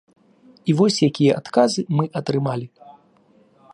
І вось якія адказы мы атрымалі.